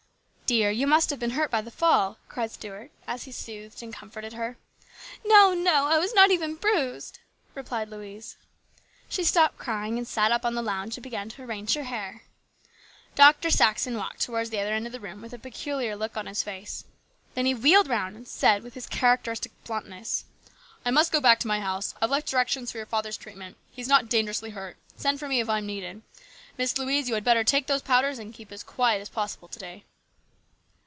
"Dear, you must have been hurt by the fall!" cried Stuart as he soothed and comforted her. " No ! no ! I was not even bruised !" replied Louise. She stopped crying and sat up on the lounge and began to arrange her hair. Dr. Saxon walked towards the other end of the room with a peculiar look on his face. Then he wheeled round and said with his characteristic bluntness :" I must go back to my house. I've left directions for your father's treatment. He is not', dangerously hurt. Send for me if I am needed. THE GREAT STRIKE. 23 Miss Louise, you had better take those powders and keep as quiet as possible to day."